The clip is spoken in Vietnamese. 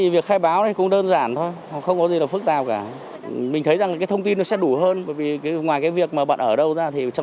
với hệ thống khai báo y tế của bộ công an